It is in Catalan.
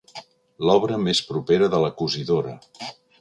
L'obra més propera de la cosidora.